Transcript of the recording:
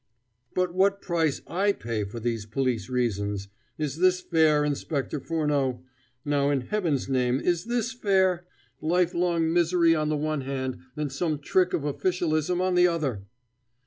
"But what a price I pay for these police reasons! Is this fair, Inspector Furneaux? Now, in Heaven's name, is this fair? Life long misery on the one hand, and some trick of officialism on the other!"